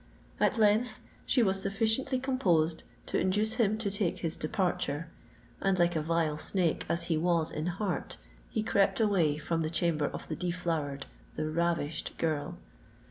At length she was sufficiently composed to induce him to take his departure; and, like a vile snake as he was in heart, he crept away from the chamber of the deflowered—the ravished girl.